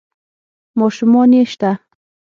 ـ ماشومان يې شته؟